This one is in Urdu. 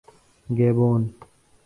گیبون